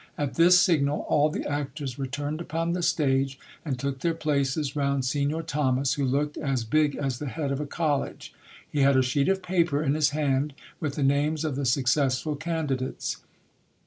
At this signal all the actors returned upon the stage, and took their places round Signor Thomas, who looked as big as the head of a college. He had a sheet of paper in his hand, with the names of the successful candidates.